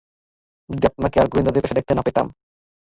যদি আপনাকে আর গোয়েন্দার পেশায় দেখতে না পেতাম!